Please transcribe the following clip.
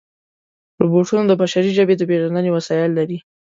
روبوټونه د بشري ژبې د پېژندنې وسایل لري.